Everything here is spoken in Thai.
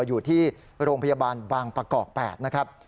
อยู่ที่โรงพยาบาลบางประกอบ๘นะครับ